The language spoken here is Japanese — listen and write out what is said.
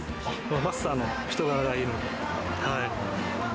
マスターの人柄がいいので。